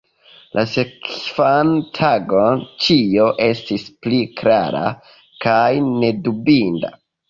La sekvan tagon ĉio estis pli klara kaj nedubinda.